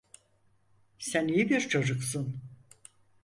Sen iyi bir çocuksun.